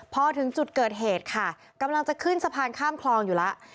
พอถึงจุดเกิดเหตุค่ะกำลังจะขึ้นสะพานข้ามคลองอยู่แล้ว